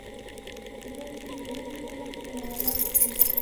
زه چې يې ولېدلم راولاړ سو.